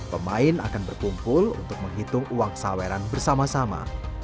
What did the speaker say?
pemain akan berkumpul untuk menghitung uang saweran bersama sama